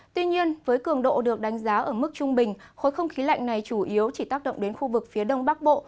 tuy nhiên với cường độ được đánh giá ở mức trung bình khối không khí lạnh này chủ yếu chỉ tác động đến khu vực phía đông bắc bộ